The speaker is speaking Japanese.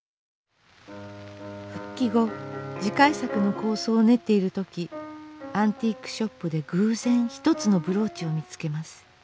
復帰後次回作の構想を練っている時アンティークショップで偶然ひとつのブローチを見つけます。